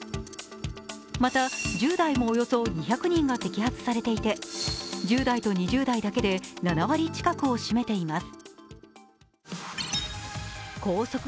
また１０代もおよそ２００人が摘発されていて１０代と２０代だけで７割近くを占めています。